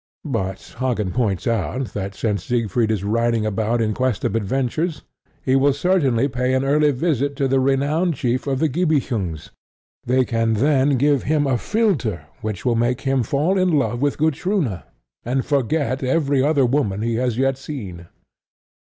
But Hagen points out that since Siegfried is riding about in quest of adventures, he will certainly pay an early visit to the renowned chief of the Gibichungs. They can then give him a philtre which will make him fall in love with Gutrune and forget every other woman he has yet seen.